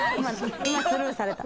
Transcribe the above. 今、スルーされた。